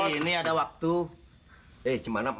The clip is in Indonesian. ini ada waktu eh gimana pak